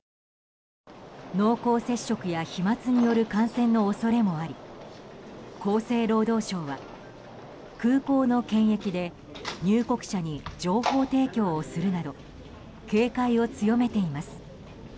濃厚接触や飛沫による感染の恐れもあり厚生労働省は空港の検疫で入国者に情報提供をするなど警戒を強めています。